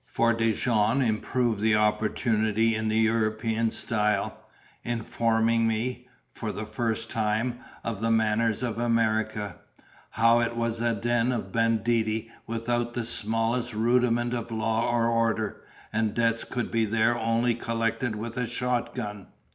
For Dijon improved the opportunity in the European style; informing me (for the first time) of the manners of America: how it was a den of banditti without the smallest rudiment of law or order, and debts could be there only collected with a shotgun.